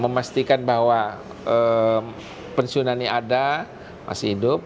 memastikan bahwa pensiunannya ada masih hidup